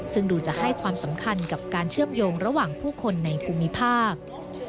ซึ่งดูจะให้ความสำคัญกับการเชื่อมโยงระหว่างผู้คนในภูมิภาค